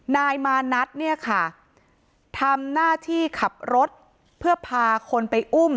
นายมานัทเนี่ยค่ะทำหน้าที่ขับรถเพื่อพาคนไปอุ้ม